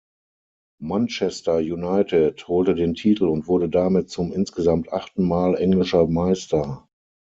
Manchester United holte den Titel und wurde damit zum insgesamt achten Mal englischer Meister.